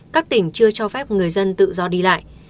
các tỉnh chưa cho phép người dân tự do đi lại